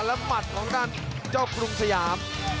และมัดของต้านจะกุลุงสยาม